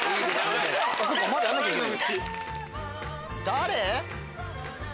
誰？